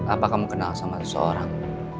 apa kamu kenal sama seseorang